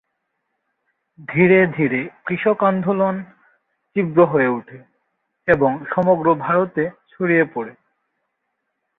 ধীরে ধীরে কৃষক আন্দোলন তীব্র হয়ে ওঠে এবং সমগ্র ভারতে ছড়িয়ে পড়ে।